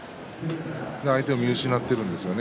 相手を見失っているんですよね